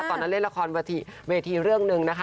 ตอนนั้นเล่นละครเวทีเวทีเรื่องหนึ่งนะคะ